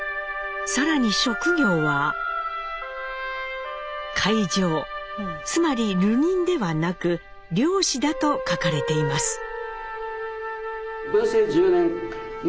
更に職業は「海上」つまり流人ではなく漁師だと書かれています。